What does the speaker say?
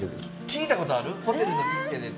聞いたことある？